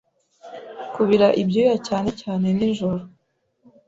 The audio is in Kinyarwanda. kubira ibyuya cyane cyane nijoro